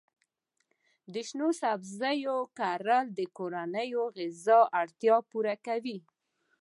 د شنو سبزیو کرل د کورنۍ غذایي اړتیا پوره کوي.